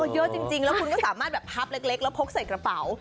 เยอะจริงแล้วคุณก็สามารถแบบพับเล็กแล้วพกใส่กระเป๋า